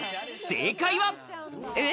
正解は。